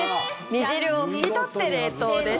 煮汁を拭き取って冷凍です。